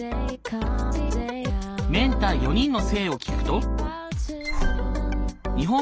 メンター４人の性を聞くと。